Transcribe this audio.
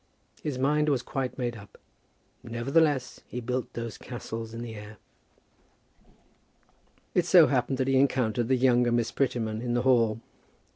His mind was quite made up. Nevertheless he built those castles in the air. It so happened that he encountered the younger Miss Prettyman in the hall.